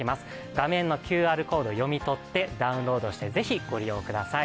画面のＱＲコードを読み取ってダウンロードしてぜひご利用ください。